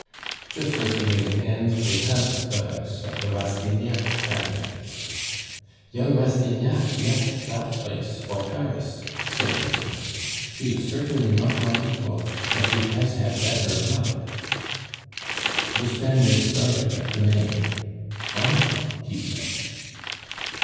Just as he made an end they passed the house of the Rastignac family. "Young Rastignac left that place for Paris," said Lucien; "he is certainly not my equal, but he has had better luck." The Spaniard started at the name. "Oh!" he said.